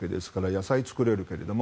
野菜は作れるけれども。